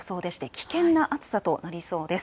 危険な暑さとなりそうです。